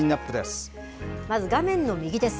まず画面の右です。